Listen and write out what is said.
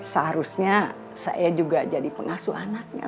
seharusnya saya juga jadi pengasuh anaknya